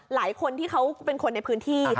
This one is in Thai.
หลายคนที่เขาเป็นคนในพื้นที่